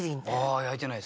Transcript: あ焼いてないです。